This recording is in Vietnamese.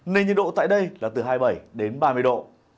nền nhiệt độ tại đây là từ hai mươi bảy đến ba mươi độ